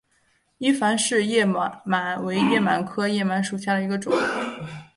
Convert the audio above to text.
伊凡氏叶螨为叶螨科叶螨属下的一个种。